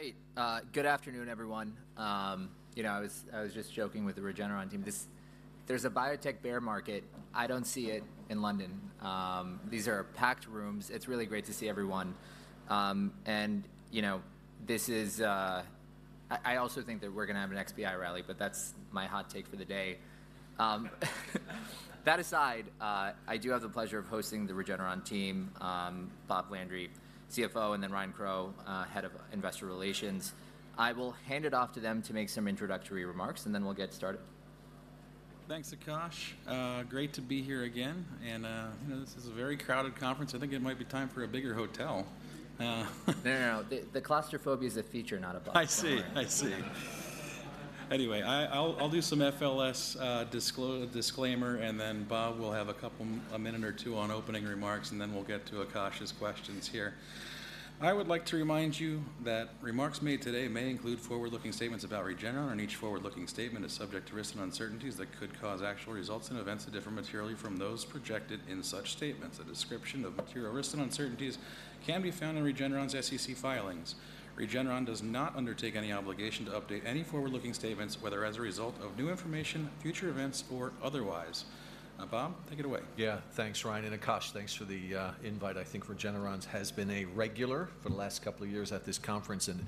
Great! Good afternoon, everyone. You know, I was just joking with the Regeneron team. There's a biotech bear market. I don't see it in London. These are packed rooms. It's really great to see everyone. And, you know, I also think that we're gonna have an XBI rally, but that's my hot take for the day. That aside, I do have the pleasure of hosting the Regeneron team, Bob Landry, CFO, and then Ryan Crowe, Head of Investor Relations. I will hand it off to them to make some introductory remarks, and then we'll get started. Thanks, Akash. Great to be here again, and, you know, this is a very crowded conference. I think it might be time for a bigger hotel. No, no. The claustrophobia is a feature, not a bug. Anyway, I'll do some FLS disclaimer, and then Bob will have a couple, a minute or two on opening remarks, and then we'll get to Akash's questions here. I would like to remind you that remarks made today may include forward-looking statements about Regeneron, and each forward-looking statement is subject to risks and uncertainties that could cause actual results and events to differ materially from those projected in such statements. A description of material risks and uncertainties can be found in Regeneron's SEC filings. Regeneron does not undertake any obligation to update any forward-looking statements, whether as a result of new information, future events, or otherwise. Bob, take it away. Yeah. Thanks, Ryan, and Akash, thanks for the invite. I think Regeneron's has been a regular for the last couple of years at this conference, and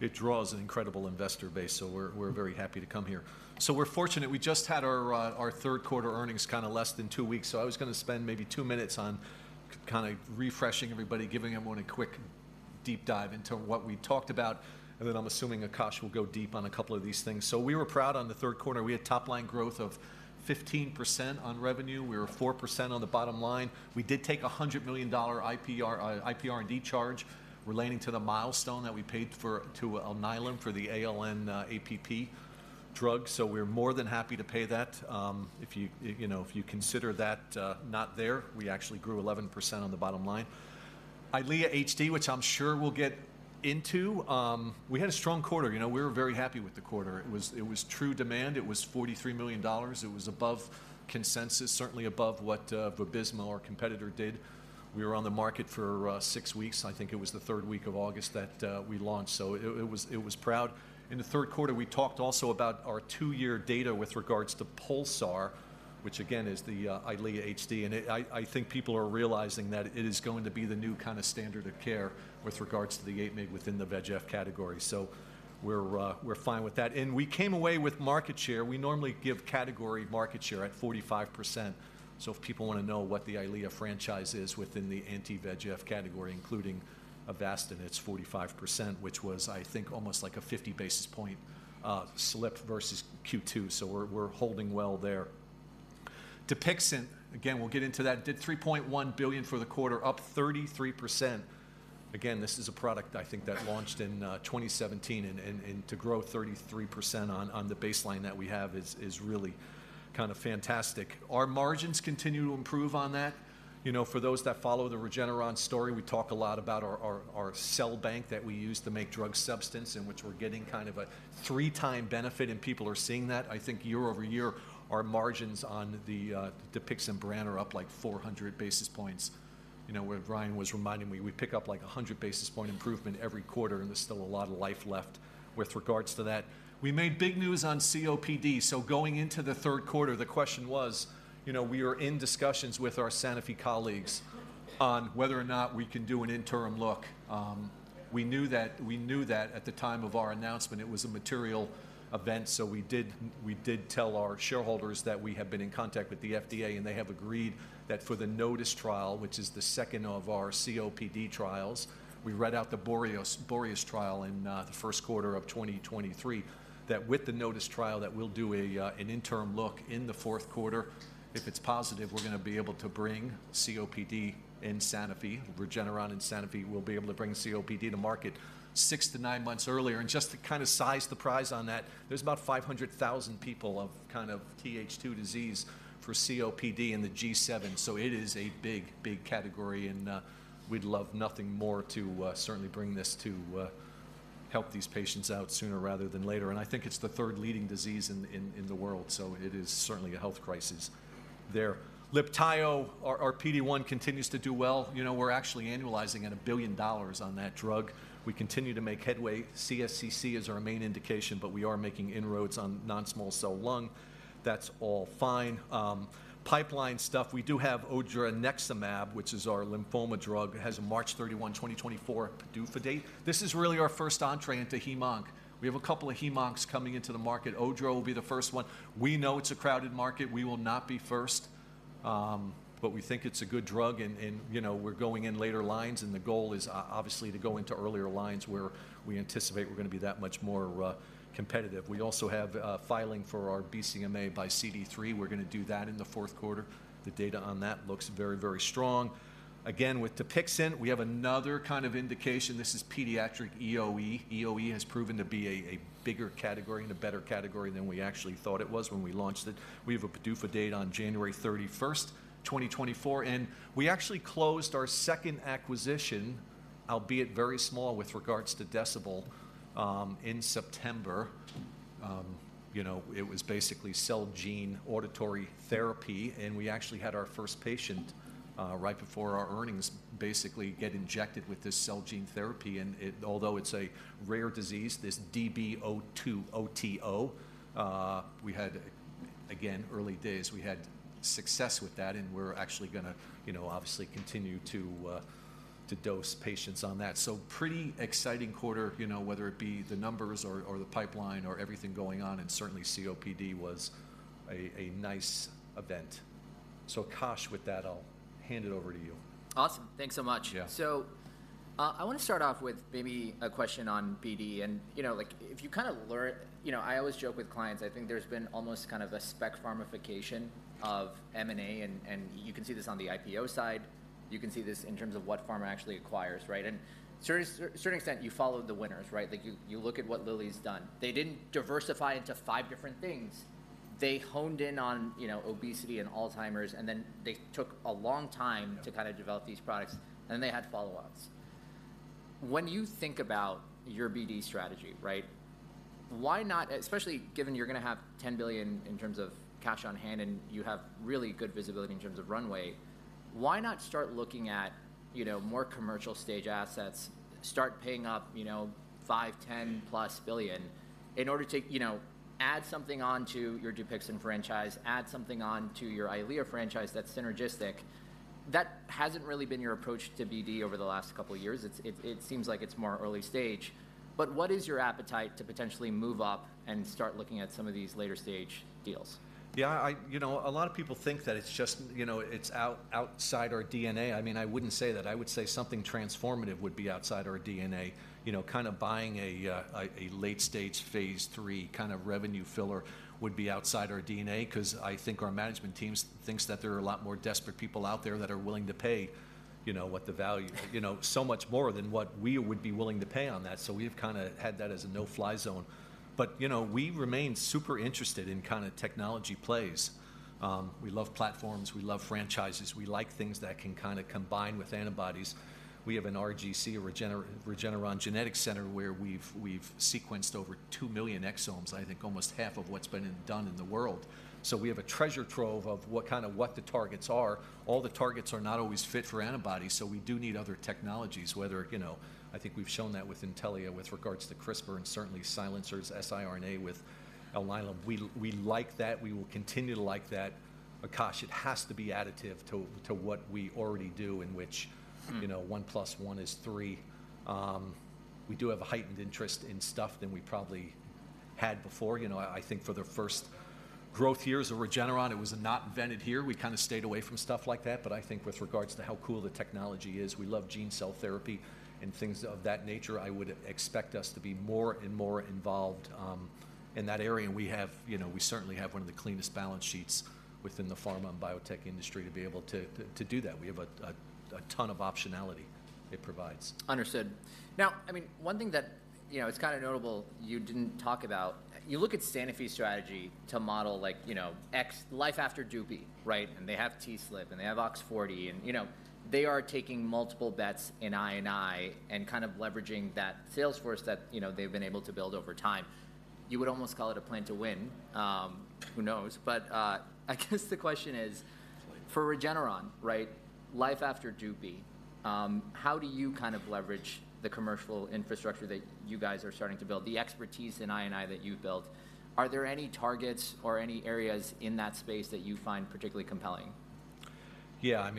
it draws an incredible investor base, so we're very happy to come here. So we're fortunate. We just had our third quarter earnings kinda less than two weeks, so I was gonna spend maybe two minutes on kinda refreshing everybody, giving everyone a quick deep dive into what we talked about, and then I'm assuming Akash will go deep on a couple of these things. So we were proud on the third quarter. We had top-line growth of 15% on revenue. We were 4% on the bottom line. We did take a $100 million IPR&D charge relating to the milestone that we paid for to Alnylam for the ALN-APP drug, so we're more than happy to pay that. If you, you know, if you consider that not there, we actually grew 11% on the bottom line. EYLEA HD, which I'm sure we'll get into, we had a strong quarter. You know, we were very happy with the quarter. It was, it was true demand. It was $43 million. It was above consensus, certainly above what Vabysmo, our competitor, did. We were on the market for six weeks. I think it was the third week of August that we launched, so it, it was, it was proud. In the third quarter, we talked also about our two-year data with regards to PULSAR, which again, is the EYLEA HD, and it. I think people are realizing that it is going to be the new kinda standard of care with regards to the 8 mg within the VEGF category, so we're, we're fine with that. And we came away with market share. We normally give category market share at 45%, so if people wanna know what the EYLEA franchise is within the anti-VEGF category, including Avastin, it's 45%, which was, I think, almost like a 50 basis point slip versus Q2, so we're, we're holding well there. Dupixent, again, we'll get into that, did $3.1 billion for the quarter, up 33%. Again, this is a product, I think, that launched in 2017, and to grow 33% on the baseline that we have is really kind of fantastic. Our margins continue to improve on that. You know, for those that follow the Regeneron story, we talk a lot about our cell bank that we use to make drug substance, in which we're getting kind of a 3-time benefit, and people are seeing that. I think year-over-year, our margins on the Dupixent brand are up, like, 400 basis points. You know, where Ryan was reminding me, we pick up, like, a 100 basis point improvement every quarter, and there's still a lot of life left with regards to that. We made big news on COPD. So going into the third quarter, the question was, you know, we are in discussions with our Sanofi colleagues on whether or not we can do an interim look. We knew that at the time of our announcement, it was a material event, so we did tell our shareholders that we have been in contact with the FDA, and they have agreed that for the NOTUS trial, which is the second of our COPD trials, we read out the BOREAS, BOREAS trial in the first quarter of 2023, that with the NOTUS trial, that we'll do an interim look in the fourth quarter. If it's positive, we're gonna be able to bring COPD and Sanofi, Regeneron and Sanofi will be able to bring COPD to market 6-9 months earlier. And just to kinda size the prize on that, there's about 500,000 people of kind of TH2 disease for COPD in the G7, so it is a big, big category, and we'd love nothing more to certainly bring this to help these patients out sooner rather than later, and I think it's the third leading disease in the world, so it is certainly a health crisis there. Libtayo, our PD-1, continues to do well. You know, we're actually annualizing at $1 billion on that drug. We continue to make headway. CSCC is our main indication, but we are making inroads on non-small cell lung. That's all fine. Pipeline stuff, we do have odronextamab, which is our lymphoma drug. It has a March 31, 2024 PDUFA date. This is really our first entree into Heme/Onc. We have a couple of Heme/Oncs coming into the market. Odro will be the first one. We know it's a crowded market. We will not be first, but we think it's a good drug, and you know, we're going in later lines, and the goal is obviously to go into earlier lines, where we anticipate we're gonna be that much more competitive. We also have filing for our BCMA x CD3. We're gonna do that in the fourth quarter. The data on that looks very, very strong. Again, with Dupixent, we have another kind of indication. This is pediatric EoE. EoE has proven to be a bigger category and a better category than we actually thought it was when we launched it. We have a PDUFA date on January 31, 2024, and we actually closed our second acquisition, albeit very small, with regards to Decibel, in September, you know, it was basically cell gene auditory therapy, and we actually had our first patient, right before our earnings, basically get injected with this cell gene therapy. And although it's a rare disease, this DB-OTO, we had, again, early days, we had success with that, and we're actually gonna, you know, obviously continue to dose patients on that. So pretty exciting quarter, you know, whether it be the numbers or, or the pipeline or everything going on, and certainly COPD was a nice event. So, Akash, with that, I'll hand it over to you. Awesome. Thanks so much. Yeah. So, I wanna start off with maybe a question on BD. And, you know, like, you know, I always joke with clients, I think there's been almost kind of a spec pharmification of M&A, and you can see this on the IPO side, you can see this in terms of what pharma actually acquires, right? And to a certain extent, you followed the winners, right? Like, you look at what Lilly's done. They didn't diversify into five different things. They honed in on, you know, obesity and Alzheimer's, and then they took a long time- Yeah... to kinda develop these products, and then they had follow-ons. When you think about your BD strategy, right, why not... Especially given you're gonna have $10 billion in terms of cash on hand, and you have really good visibility in terms of runway, why not start looking at, you know, more commercial stage assets, start paying up, you know, $5-$10+ billion in order to, you know, add something onto your DUPIXENT franchise, add something onto your EYLEA franchise that's synergistic? That hasn't really been your approach to BD over the last couple of years. It, it, it seems like it's more early stage. But what is your appetite to potentially move up and start looking at some of these later-stage deals? Yeah, I. You know, a lot of people think that it's just, you know, it's outside our DNA. I mean, I wouldn't say that. I would say something transformative would be outside our DNA. You know, kind of buying a late-stage phase III kind of revenue filler would be outside our DNA 'cause I think our management teams thinks that there are a lot more desperate people out there that are willing to pay, you know, what the value, you know, so much more than what we would be willing to pay on that. So we've kinda had that as a no-fly zone. But, you know, we remain super interested in kinda technology plays. We love platforms, we love franchises. We like things that can kinda combine with antibodies. We have an RGC, a Regeneron Genetics Center, where we've sequenced over two million exomes, I think almost half of what's been done in the world. So we have a treasure trove of what kinda what the targets are. All the targets are not always fit for antibodies, so we do need other technologies, whether... You know, I think we've shown that with Intellia, with regards to CRISPR, and certainly Silence's siRNA with Alnylam. We like that. We will continue to like that. But, Akash, it has to be additive to what we already do, in which-... you know, 1 + 1 is 3. We do have a heightened interest in stuff than we probably had before. You know, I think for the first growth years of Regeneron, it was a "not invented here." We kinda stayed away from stuff like that. But I think with regards to how cool the technology is, we love gene cell therapy and things of that nature. I would expect us to be more and more involved in that area, and we have, you know, we certainly have one of the cleanest balance sheets within the pharma and biotech industry to be able to do that. We have a ton of optionality it provides. Understood. Now, I mean, one thing that, you know, it's kinda notable you didn't talk about... You look at Sanofi's strategy to model, like, you know, ex-life after Dupixent, right? And they have TSLP, and they have OX40, and, you know, they are taking multiple bets in I&I and kind of leveraging that sales force that, you know, they've been able to build over time. You would almost call it a plan to win. Who knows? But, I guess the question is- Right... for Regeneron, right, life after Dupixent, how do you kind of leverage the commercial infrastructure that you guys are starting to build, the expertise in I&I that you've built? Are there any targets or any areas in that space that you find particularly compelling? Yeah, I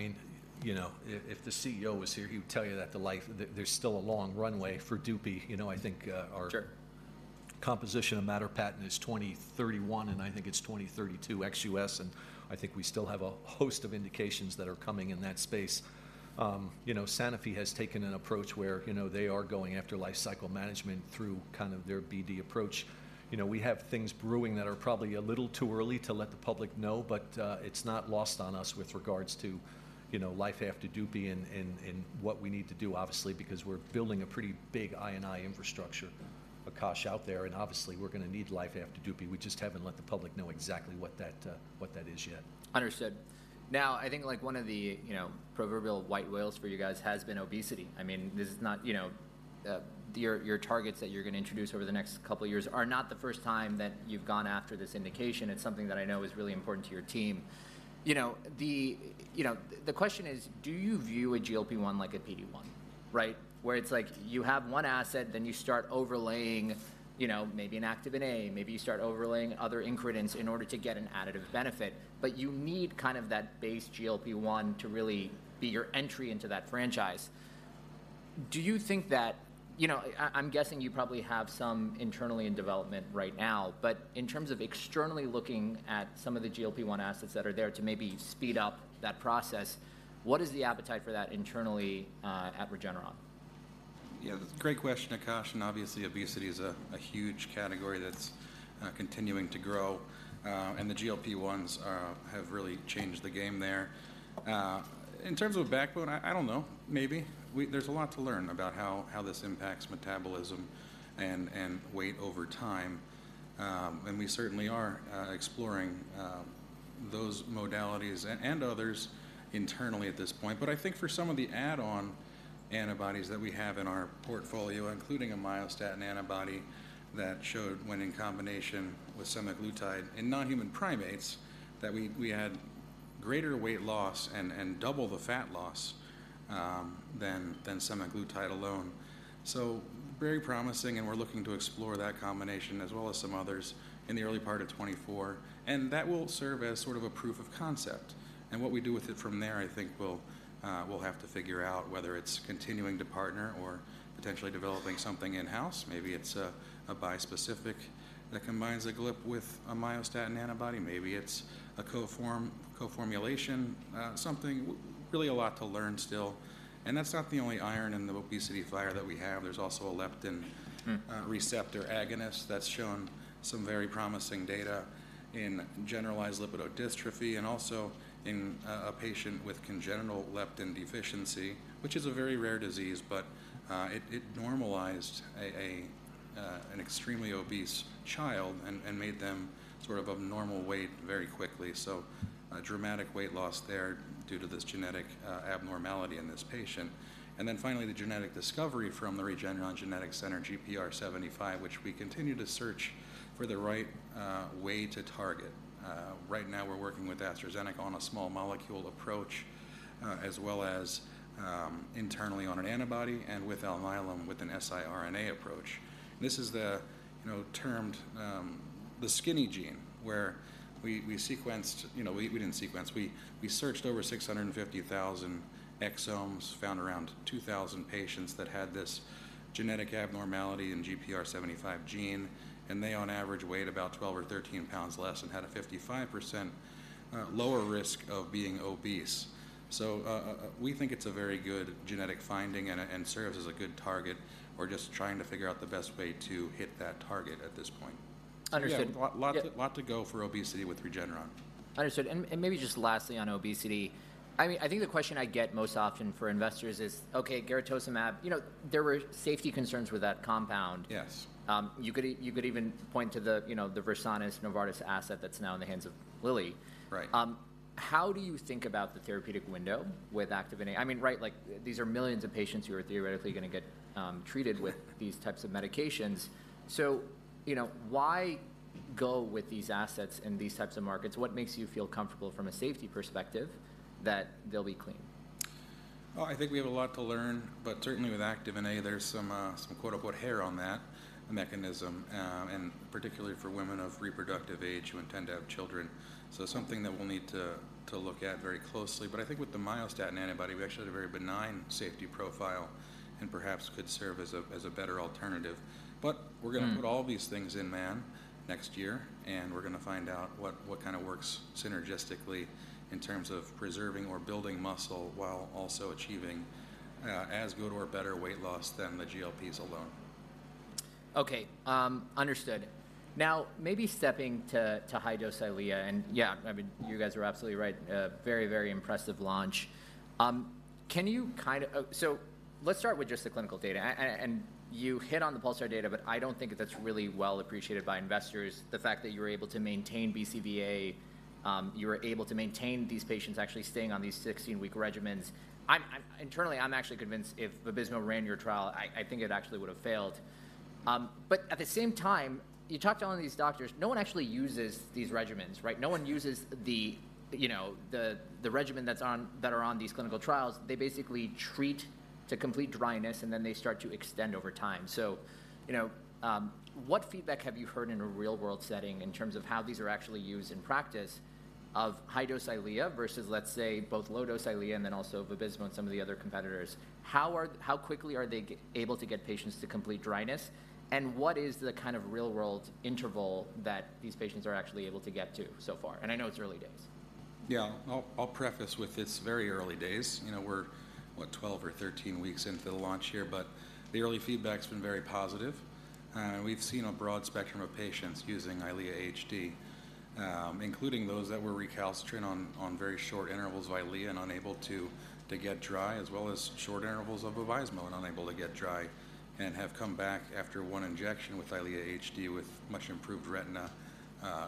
mean, you know, if the CEO was here, he would tell you that there's still a long runway for Dupixent. You know, I think, our- Sure... composition of matter patent is 2031, and I think it's 2032 ex US, and I think we still have a host of indications that are coming in that space. You know, Sanofi has taken an approach where, you know, they are going after lifecycle management through kind of their BD approach. You know, we have things brewing that are probably a little too early to let the public know, but, it's not lost on us with regards to, you know, life after Dupixent and, and what we need to do, obviously, because we're building a pretty big I&I infrastructure, Akash, out there, and obviously, we're gonna need life after Dupixent. We just haven't let the public know exactly what that, what that is yet. Understood. Now, I think, like, one of the, you know, proverbial white whales for you guys has been obesity. I mean, this is not, you know, Your, your targets that you're gonna introduce over the next couple of years are not the first time that you've gone after this indication. It's something that I know is really important to your team. You know, the, you know, the question is: Do you view a GLP-1 like a PD-1, right? Where it's like you have one asset, then you start overlaying, you know, maybe an Activin A, maybe you start overlaying other ingredients in order to get an additive benefit, but you need kind of that base GLP-1 to really be your entry into that franchise. Do you think that... You know, I'm guessing you probably have some internally in development right now, but in terms of externally looking at some of the GLP-1 assets that are there to maybe speed up that process, what is the appetite for that internally at Regeneron? Yeah, great question, Akash, and obviously, obesity is a huge category that's continuing to grow, and the GLP-1s have really changed the game there. In terms of backbone, I don't know, maybe. There's a lot to learn about how this impacts metabolism and weight over time, and we certainly are exploring those modalities and others internally at this point. But I think for some of the add-on antibodies that we have in our portfolio, including a myostatin antibody that showed when in combination with semaglutide in non-human primates, that we had greater weight loss and double the fat loss than semaglutide alone. So very promising, and we're looking to explore that combination as well as some others in the early part of 2024. That will serve as sort of a proof of concept. What we do with it from there, I think we'll have to figure out whether it's continuing to partner or potentially developing something in-house. Maybe it's a bispecific that combines a GLP with a myostatin antibody. Maybe it's a co-formulation, something, really a lot to learn still. That's not the only iron in the obesity fire that we have. There's also a leptin-... receptor agonist that's shown some very promising data in generalized lipodystrophy and also in a patient with congenital leptin deficiency, which is a very rare disease, but it normalized an extremely obese child and made them sort of a normal weight very quickly. So, dramatic weight loss there due to this genetic abnormality in this patient. And then finally, the genetic discovery from the Regeneron Genetics Center, GPR75, which we continue to search for the right way to target. Right now, we're working with AstraZeneca on a small molecule approach, as well as internally on an antibody and with Alnylam with an siRNA approach. This is the, you know, termed the skinny gene, where we sequenced... You know, we didn't sequence. We searched over 650,000 exomes, found around 2,000 patients that had this genetic abnormality in GPR75 gene, and they on average weighed about 12 or 13 pounds less and had a 55% lower risk of being obese. So, we think it's a very good genetic finding and serves as a good target. We're just trying to figure out the best way to hit that target at this point. Understood. Yeah, a lot- Yeah-... a lot to go for obesity with Regeneron. Understood. And, maybe just lastly on obesity, I mean, I think the question I get most often for investors is: Okay, garetosmab, you know, there were safety concerns with that compound. Yes. You could even point to the, you know, the Versanis Novartis asset that's now in the hands of Lilly. Right. How do you think about the therapeutic window with Activin A? I mean, right, like, these are millions of patients who are theoretically gonna get, treated- Yeah... with these types of medications. So, you know, why go with these assets in these types of markets? What makes you feel comfortable from a safety perspective that they'll be clean? Well, I think we have a lot to learn, but certainly with Activin A, there's some some quote-unquote, "hair on that mechanism," and particularly for women of reproductive age who intend to have children. So something that we'll need to look at very closely. But I think with the myostatin antibody, we actually had a very benign safety profile and perhaps could serve as a better alternative. But we're gonna-... put all these things in man next year, and we're gonna find out what, what kind of works synergistically in terms of preserving or building muscle while also achieving, as good or better weight loss than the GLPs alone. Okay, understood. Now, maybe stepping to high-dose EYLEA and, yeah, I mean, you guys are absolutely right. A very, very impressive launch. Can you kind of so let's start with just the clinical data, and you hit on the PULSAR data, but I don't think that's really well appreciated by investors, the fact that you were able to maintain BCVA, you were able to maintain these patients actually staying on these 16-week regimens. Internally, I'm actually convinced if Vabysmo ran your trial, I think it actually would have failed. But at the same time, you talked to all of these doctors, no one actually uses these regimens, right? No one uses the, you know, the, the regimen that's on that are on these clinical trials. They basically treat to complete dryness, and then they start to extend over time. So, you know, what feedback have you heard in a real-world setting in terms of how these are actually used in practice of high-dose EYLEA versus, let's say, both low-dose EYLEA and then also Vabysmo and some of the other competitors? How quickly are they able to get patients to complete dryness, and what is the kind of real-world interval that these patients are actually able to get to so far? And I know it's early days. Yeah. I'll preface with it's very early days. You know, we're, what, 12 or 13 weeks into the launch here, but the early feedback's been very positive. We've seen a broad spectrum of patients using EYLEA HD, including those that were recalcitrant on very short intervals of EYLEA and unable to get dry, as well as short intervals of Vabysmo and unable to get dry and have come back after one injection with EYLEA HD with much improved retina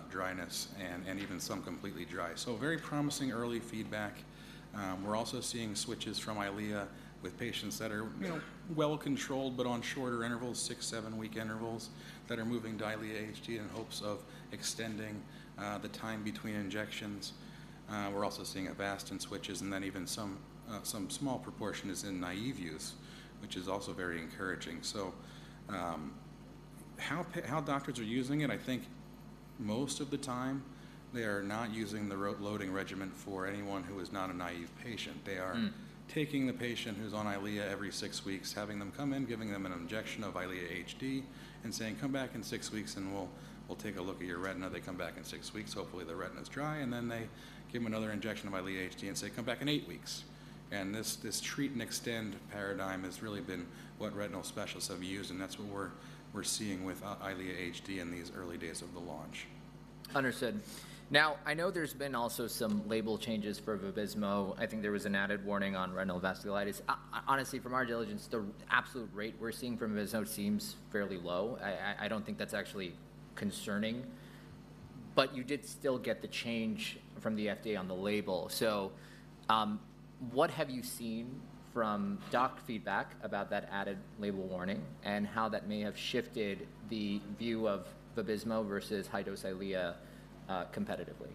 dryness and even some completely dry. So very promising early feedback. We're also seeing switches from EYLEA with patients that are, you know, well-controlled but on shorter intervals, six, seven-week intervals, that are moving to EYLEA HD in hopes of extending the time between injections. We're also seeing Avastin switches, and then even some small proportion is in naive use, which is also very encouraging. So, how doctors are using it, I think most of the time, they are not using the loading regimen for anyone who is not a naive patient. They are taking the patient who's on EYLEA every six weeks, having them come in, giving them an injection of EYLEA HD, and saying, "Come back in six weeks, and we'll take a look at your retina." They come back in six weeks, hopefully, the retina's dry, and then they give them another injection of EYLEA HD and say, "Come back in eight weeks." And this treat and extend paradigm has really been what retinal specialists have used, and that's what we're seeing with EYLEA HD in these early days of the launch. Understood. Now, I know there's been also some label changes for Vabysmo. I think there was an added warning on retinal vasculitis. Honestly, from our diligence, the absolute rate we're seeing from Vabysmo seems fairly low. I don't think that's actually concerning, but you did still get the change from the FDA on the label. So, what have you seen from doc feedback about that added label warning, and how that may have shifted the view of Vabysmo versus high-dose EYLEA, competitively?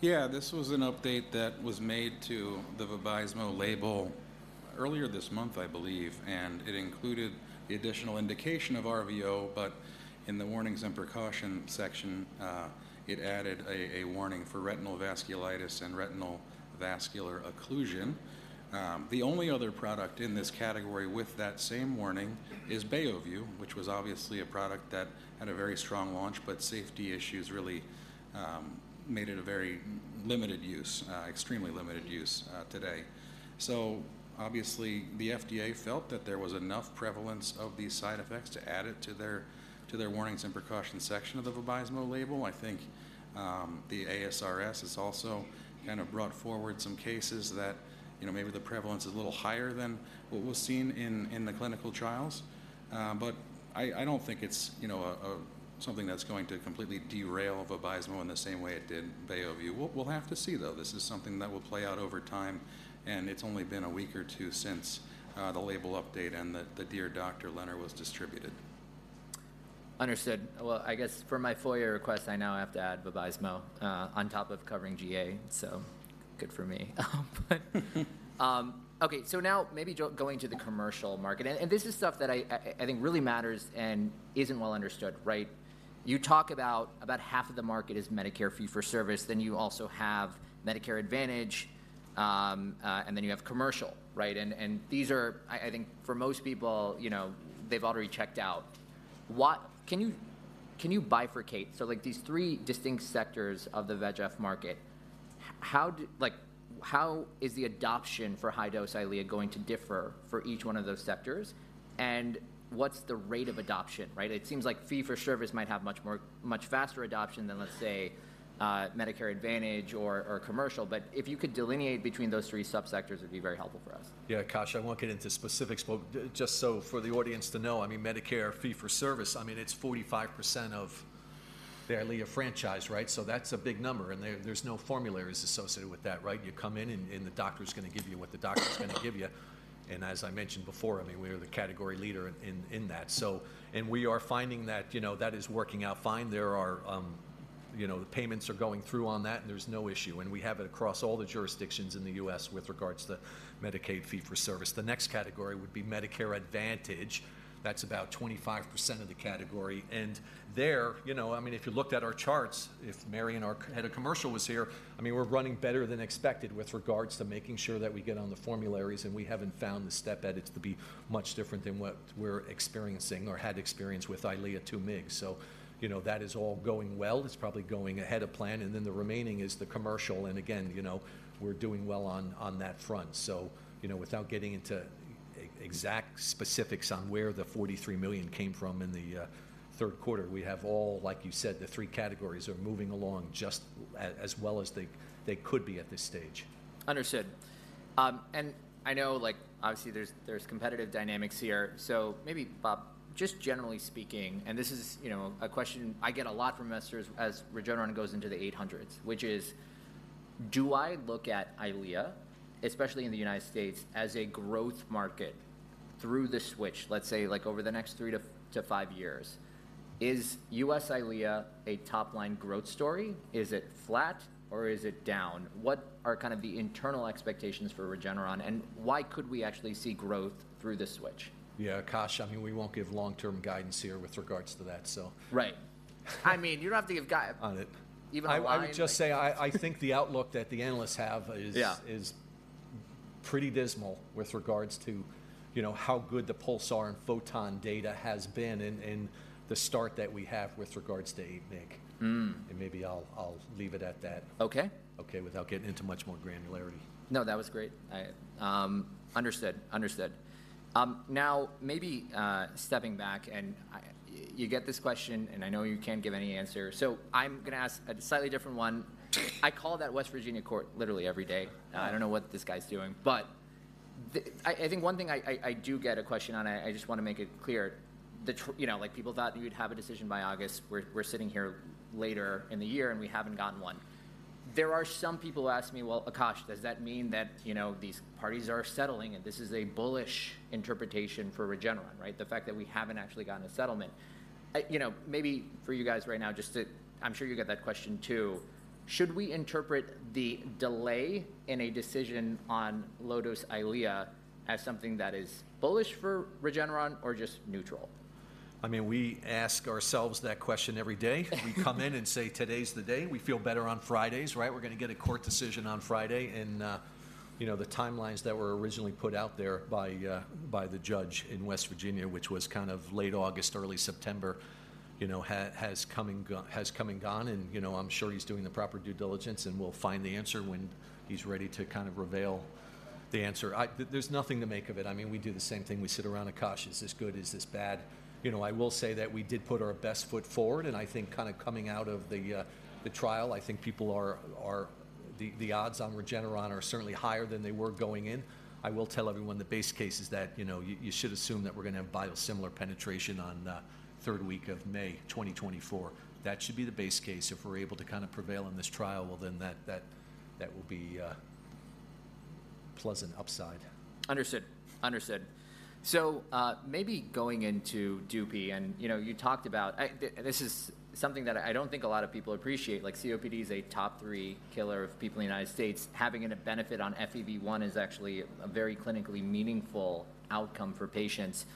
Yeah, this was an update that was made to the Vabysmo label earlier this month, I believe, and it included the additional indication of RVO, but in the warnings and precaution section, it added a warning for retinal vasculitis and retinal vascular occlusion. The only other product in this category with that same warning is Beovue, which was obviously a product that had a very strong launch, but safety issues really made it a very limited use, extremely limited use today. So obviously, the FDA felt that there was enough prevalence of these side effects to add it to their warnings and precautions section of the Vabysmo label. I think the ASRS has also kind of brought forward some cases that, you know, maybe the prevalence is a little higher than what was seen in the clinical trials. But I don't think it's, you know, a something that's going to completely derail Vabysmo in the same way it did Beovue. We'll have to see, though. This is something that will play out over time, and it's only been a week or two since the label update and the Dear Doctor letter was distributed. Understood. Well, I guess for my FOIA request, I now have to add Vabysmo on top of covering GA, so good for me. But, okay, so now maybe going to the commercial market, and this is stuff that I think really matters and isn't well understood, right? You talk about about half of the market is Medicare fee-for-service, then you also have Medicare Advantage, and then you have commercial, right? And these are. I think, for most people, you know, they've already checked out. What. Can you bifurcate. So, like, these three distinct sectors of the VEGF market, how like, how is the adoption for high-dose EYLEA going to differ for each one of those sectors, and what's the rate of adoption, right? It seems like fee-for-service might have much more, much faster adoption than, let's say, Medicare Advantage or commercial. But if you could delineate between those three subsectors, it'd be very helpful for us. Yeah, Akash, I won't get into specifics, but just so for the audience to know, I mean, Medicare fee-for-service, I mean, it's 45% of the EYLEA franchise, right? So that's a big number, and there, there's no formularies associated with that, right? You come in, and, and the doctor's gonna give you what the doctor's gonna give you. And as I mentioned before, I mean, we're the category leader in, in, in that, so... And we are finding that, you know, that is working out fine. There are, you know, the payments are going through on that, and there's no issue, and we have it across all the jurisdictions in the U.S. with regards to Medicaid fee-for-service. The next category would be Medicare Advantage. That's about 25% of the category, and there, you know, I mean, if you looked at our charts, if Mary, our head of commercial, was here, I mean, we're running better than expected with regards to making sure that we get on the formularies, and we haven't found the step edits to be much different than what we're experiencing or had experienced with EYLEA 2 mg. So, you know, that is all going well. It's probably going ahead of plan, and then the remaining is the commercial, and again, you know, we're doing well on, on that front. So, you know, without getting into exact specifics on where the $43 million came from in the third quarter, we have all, like you said, the three categories are moving along just as well as they could be at this stage. Understood. And I know, like, obviously, there's competitive dynamics here, so maybe, Bob, just generally speaking, and this is, you know, a question I get a lot from investors as Regeneron goes into the 800s, which is: Do I look at EYLEA, especially in the United States, as a growth market through the switch, let's say, like, over the next three to five years? Is U.S. EYLEA a top-line growth story? Is it flat, or is it down? What are kind of the internal expectations for Regeneron, and why could we actually see growth through this switch? Yeah, Akash, I mean, we won't give long-term guidance here with regards to that, so- Right. I mean, you don't have to give guide-... on it. Even a line- I would just say I think the outlook that the analysts have is- Yeah... is pretty dismal with regards to, you know, how good the PULSAR and PHOTON data has been in the start that we have with regards to 8 mg. Maybe I'll leave it at that. Okay. Okay, without getting into much more granularity. No, that was great. I understood. Understood. Now, maybe, stepping back, and, you get this question, and I know you can't give any answer, so I'm gonna ask a slightly different one. I call that West Virginia court literally every day. I don't know what this guy's doing, but I think one thing I do get a question on, and I just wanna make it clear, you know, like, people thought you'd have a decision by August. We're sitting here later in the year, and we haven't gotten one. There are some people who ask me, "Well, Akash, does that mean that, you know, these parties are settling, and this is a bullish interpretation for Regeneron," right? The fact that we haven't actually gotten a settlement. You know, maybe for you guys right now, just to... I'm sure you get that question too. Should we interpret the delay in a decision on low-dose EYLEA as something that is bullish for Regeneron or just neutral? I mean, we ask ourselves that question every day. We come in and say, "Today's the day." We feel better on Fridays, right? We're gonna get a court decision on Friday, and, you know, the timelines that were originally put out there by the judge in West Virginia, which was kind of late August, early September, you know, has come and gone. And, you know, I'm sure he's doing the proper due diligence and will find the answer when he's ready to kind of reveal the answer. There's nothing to make of it. I mean, we do the same thing. We sit around, "Akash, is this good? Is this bad?" You know, I will say that we did put our best foot forward, and I think kind of coming out of the... The trial, I think people are the odds on Regeneron are certainly higher than they were going in. I will tell everyone the base case is that, you know, you should assume that we're gonna have biosimilar penetration on the third week of May 2024. That should be the base case. If we're able to kind of prevail on this trial, well, then that will be pleasant upside. Understood. Understood. So, maybe going into Dupie, and, you know, you talked about... This is something that I don't think a lot of people appreciate, like COPD is a top three killer of people in the United States. Having a benefit on FEV1 is actually a very clinically meaningful outcome for patients.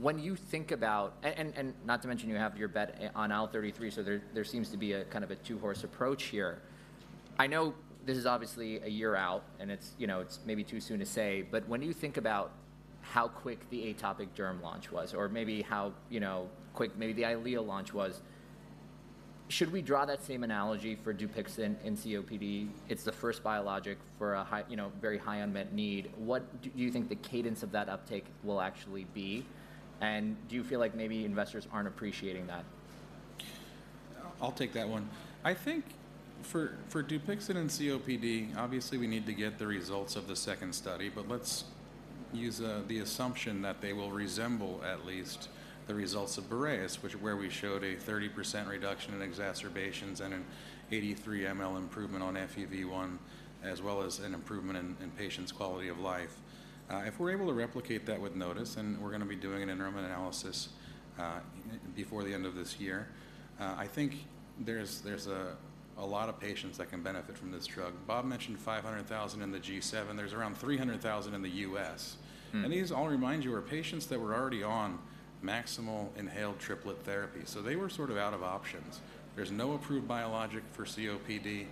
When you think about—and, not to mention, you have your bet on IL-33, so there, there seems to be a kind of a two-horse approach here. I know this is obviously a year out, and it's, you know, it's maybe too soon to say, but when you think about how quick the atopic derm launch was, or maybe how, you know, quick maybe the Eylea launch was, should we draw that same analogy for Dupixent in COPD? It's the first biologic for a high, you know, very high unmet need. What do you think the cadence of that uptake will actually be, and do you feel like maybe investors aren't appreciating that? I'll take that one. I think for Dupixent and COPD, obviously we need to get the results of the second study, but let's use the assumption that they will resemble at least the results of BOREAS, which, where we showed a 30% reduction in exacerbations and an 83 mL improvement on FEV1, as well as an improvement in patients' quality of life. If we're able to replicate that with NOTUS, and we're gonna be doing an interim analysis before the end of this year, I think there's a lot of patients that can benefit from this drug. Bob mentioned 500,000 in the G7. There's around 300,000 in the US. These, I'll remind you, are patients that were already on maximal inhaled triplet therapy, so they were sort of out of options. There's no approved biologic for COPD.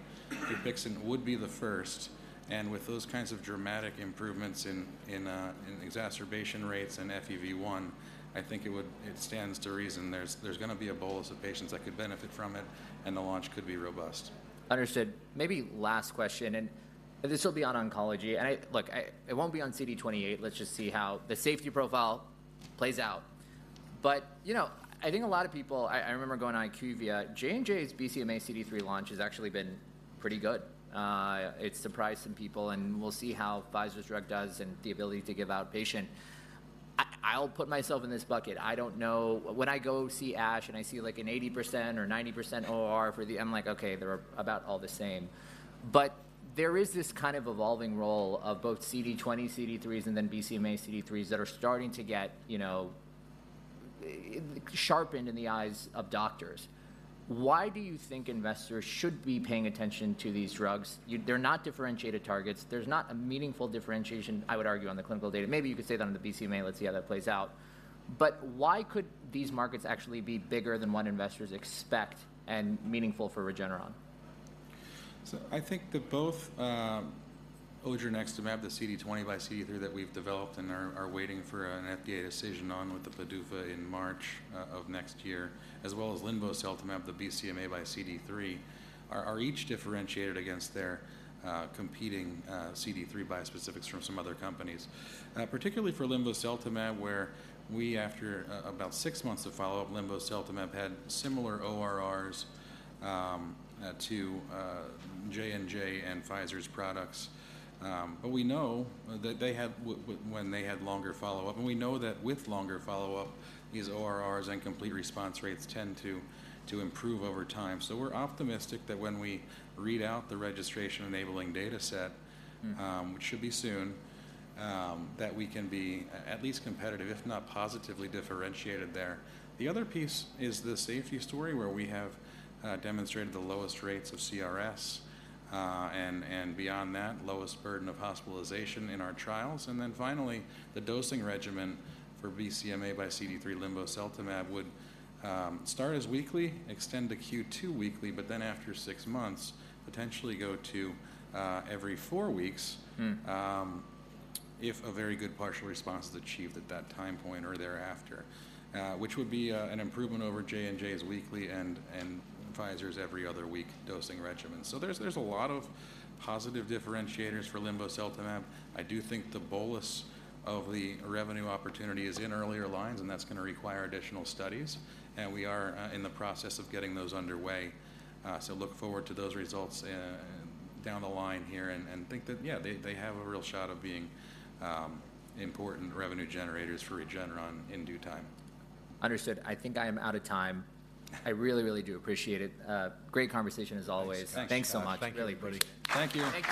Dupixent would be the first, and with those kinds of dramatic improvements in exacerbation rates and FEV1, I think it would. It stands to reason there's gonna be a bolus of patients that could benefit from it, and the launch could be robust. Understood. Maybe last question, and this will be on oncology. Look, it won't be on CD28. Let's just see how the safety profile plays out. But, you know, I think a lot of people... I remember going on IQVIA. J&J's BCMA CD3 launch has actually been pretty good. It surprised some people, and we'll see how Pfizer's drug does and the ability to give outpatient. I'll put myself in this bucket. I don't know—when I go see ASH and I see, like, an 80% or 90% OR for the... I'm like, "Okay, they're about all the same." But there is this kind of evolving role of both CD20, CD3s, and then BCMA CD3s that are starting to get, you know, sharpened in the eyes of doctors. Why do you think investors should be paying attention to these drugs? They're not differentiated targets. There's not a meaningful differentiation, I would argue, on the clinical data. Maybe you could say that on the BCMA. Let's see how that plays out. But why could these markets actually be bigger than what investors expect and meaningful for Regeneron? So I think that both, Odronextamab, the CD20 by CD3 that we've developed and are waiting for an FDA decision on with the PDUFA in March of next year, as well as linvoseltamab, the BCMA by CD3, are each differentiated against their competing CD3 biospecifics from some other companies. Particularly for linvoseltamab, where we, after about six months of follow-up, linvoseltamab had similar ORRs to J&J and Pfizer's products. But we know that they had when they had longer follow-up, and we know that with longer follow-up, these ORRs and complete response rates tend to improve over time. So we're optimistic that when we read out the registration-enabling data set-... which should be soon, that we can be at least competitive, if not positively differentiated there. The other piece is the safety story, where we have demonstrated the lowest rates of CRS, and beyond that, lowest burden of hospitalization in our trials. And then finally, the dosing regimen for BCMA by CD3 linvoseltamab would start as weekly, extend to Q2W weekly, but then after six months, potentially go to every four weeks-... if a very good partial response is achieved at that time point or thereafter, which would be an improvement over J&J's weekly and Pfizer's every other week dosing regimens. So there's a lot of positive differentiators for linvoseltamab. I do think the bolus of the revenue opportunity is in earlier lines, and that's gonna require additional studies, and we are in the process of getting those underway. So look forward to those results down the line here and think that, yeah, they have a real shot of being important revenue generators for Regeneron in due time. Understood. I think I am out of time. I really, really do appreciate it. Great conversation, as always. Thanks. Thanks so much. Thank you. Really appreciate it. Thank you. Thank you.